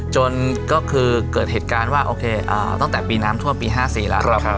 จนก็คือเกิดเหตุการณ์ว่าโอเคตั้งแต่ปีน้ำท่วมปี๕๔แล้ว